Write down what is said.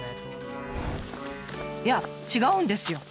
いや違うんですよ。